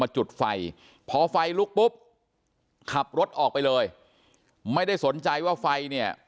จุดไฟพอไฟลุกปุ๊บขับรถออกไปเลยไม่ได้สนใจว่าไฟเนี่ย